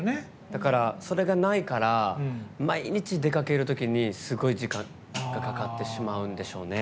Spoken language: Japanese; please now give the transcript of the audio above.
だから、それがないから毎日出かけるときにすごい時間がかかってしまうんでしょうね。